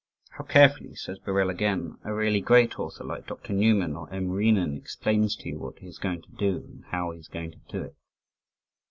"How carefully," says Birrell again, "a really great author like Dr. Newman, or M. Renan, explains to you what he is going to do, and how he is going to do it."